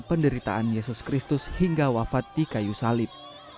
penderitaan yesus kristus hingga wafat di kayu salib